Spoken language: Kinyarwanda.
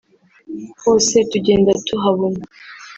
hose tugenda tuhababona